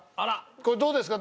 これどうですか？